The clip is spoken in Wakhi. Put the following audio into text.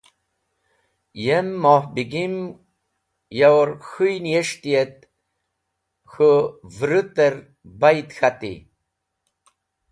Yem Moh Begimyor k̃hũy niyes̃hti et k̃hũ vũrũter bayd k̃hatey.